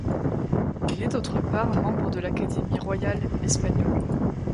Il est d'autre part membre de l'Académie royale espagnole.